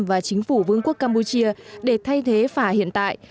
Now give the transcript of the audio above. và chính phủ vương quốc campuchia để thay thế phà hiện tại